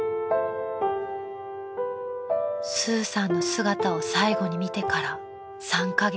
［スーさんの姿を最後に見てから３カ月］